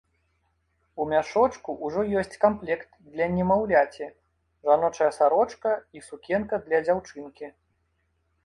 У мяшочку ўжо ёсць камплект для немаўляці, жаночая сарочка і сукенка для дзяўчынкі.